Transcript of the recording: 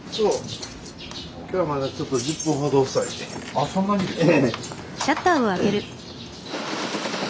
あっそんなにですか。